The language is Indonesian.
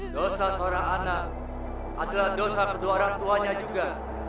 dosa seorang anak adalah dosa kedua orang tuanya juga